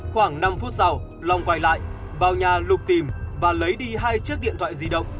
khoảng năm phút sau long quay lại vào nhà lục tìm và lấy đi hai chiếc điện thoại di động